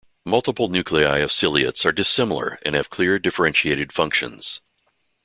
Multiple nuclei of ciliates are dissimilar and have clear differentiated functions.